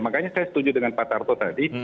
makanya saya setuju dengan pak tarto tadi